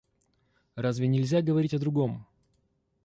Разве нельзя говорить о другом.